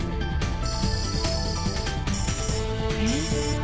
えっ？